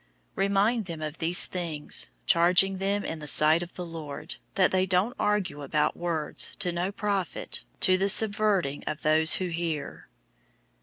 002:014 Remind them of these things, charging them in the sight of the Lord, that they don't argue about words, to no profit, to the subverting of those who hear.